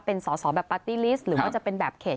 เป็นสอสอแบบปาร์ตี้ลิสต์หรือว่าจะเป็นแบบเขต